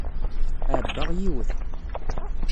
Ɛebbaɣ yiwet.